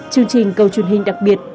chương trình câu chuyện hình đặc biệt